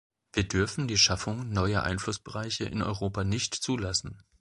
Wir dürfen die Schaffung neuer Einflussbereiche in Europa nicht zulassen.